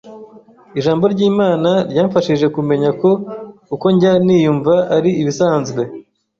Ijambo ry’Imana ryamfashije kumenya ko uko njya niyumva ari ibisanzwe,